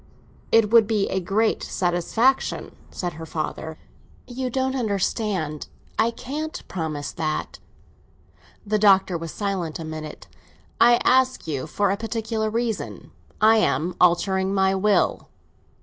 "It would be a great satisfaction," said her father. "You don't understand. I can't promise that." The Doctor was silent a minute. "I ask you for a particular reason. I am altering my will."